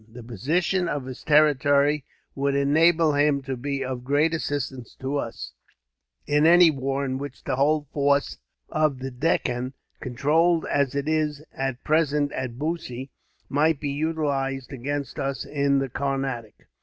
The position of his territory would enable him to be of great assistance to us, in any war in which the whole force of the Deccan, controlled as it is at present at Bussy, might be utilized against us in the Carnatic.